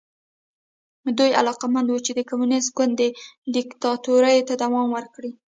دوی علاقمند وو چې د کمونېست ګوند دیکتاتورۍ ته دوام ورکړي.